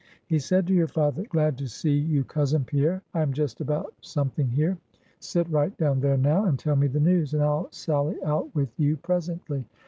He said to your father 'Glad to see you, cousin Pierre; I am just about something here; sit right down there now, and tell me the news; and I'll sally out with you presently.